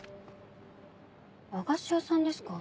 和菓子屋さんですか？